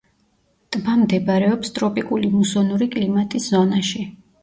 ტბა მდებარეობს ტროპიკული მუსონური კლიმატის ზონაში.